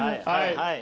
はい。